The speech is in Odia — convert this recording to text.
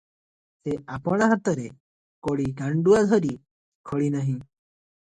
ସେ ଆପଣା ହାତରେ କୋଡ଼ି ଗାଣ୍ତୁଆ ଧରି ଖୋଳିନାହିଁ ।